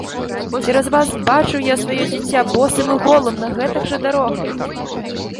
Цераз вас бачыў я сваё дзіця босым і голым на гэтых жа дарогах!